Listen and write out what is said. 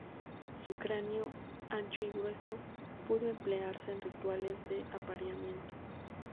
Su cráneo, ancho y grueso, pudo emplearse en rituales de apareamiento.